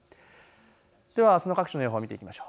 ではあすの各地の予報、見ていきます。